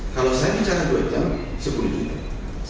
kalau saya bicara dua jam sepuluh menit